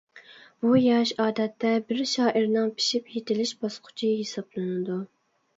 بۇ ياش ئادەتتە بىر شائىرنىڭ پىشىپ يېتىلىش باسقۇچى ھېسابلىنىدۇ.